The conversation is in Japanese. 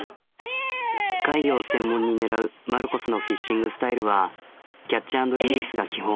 怪魚を専門に狙うマルコスのフィッシングスタイルはキャッチアンドリリースが基本。